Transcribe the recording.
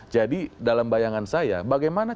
jadi dalam bayangan saya bagaimana